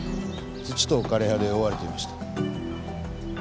土と枯れ葉で覆われていました。